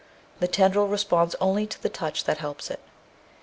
The tendril responds only to the touch that helps it.